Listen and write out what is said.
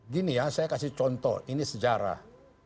gini ya saya kasih contoh ini sejarah